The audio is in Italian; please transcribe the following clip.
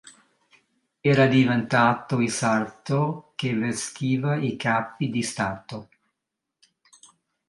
Era diventato il sarto che vestiva i capi di stato.